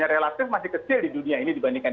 relatif masih kecil di dunia ini dibandingkan